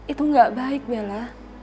itu gak baik bella